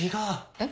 えっ？